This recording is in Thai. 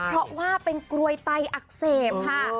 เพราะว่าเป็นกลวยไตอักเสบค่ะ